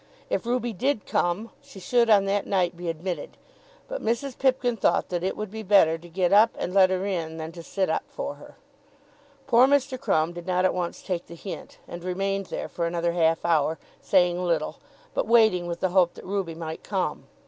If Ruby did come, she should, on that night, be admitted. But Mrs. Pipkin thought that it would be better to get up and let her in than to sit up for her. Poor Mr. Crumb did not at once take the hint, and remained there for another half hour, saying little, but waiting with the hope that Ruby might come.